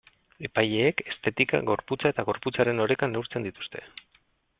Epaileek estetika, gorputza eta gorputzaren oreka neurtzen dituzte.